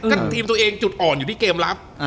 ก็ทีมตัวเองจุดอ่อนอยู่ที่เกมรับ